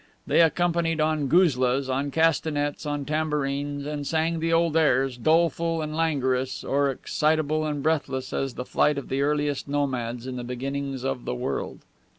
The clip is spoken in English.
They accompanied on guzlas, on castanets, on tambourines, and sang the old airs, doleful and languorous, or excitable and breathless as the flight of the earliest nomads in the beginnings of the world.